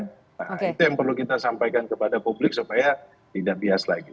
nah itu yang perlu kita sampaikan kepada publik supaya tidak bias lagi